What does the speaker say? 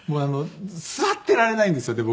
座ってられないんですよね